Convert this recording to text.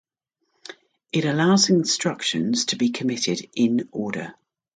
It allows instructions to be committed in-order.